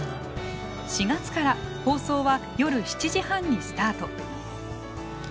４月から放送は夜７時半にスタート。